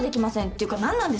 ていうか何なんですか？